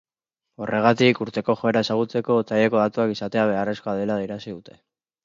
Horregatik, urteko joera ezagutzeko otsaileko datuak izatea beharrezkoa dela adierazi dute.